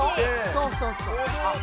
そうそうそう・あっ